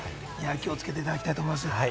気をつけていただきたいと思います。